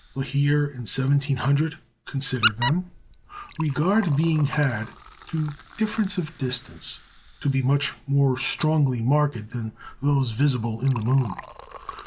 Lahire in 1700 considered them regard being had to difference of distance to be much more strongly marked than those visible in the moon.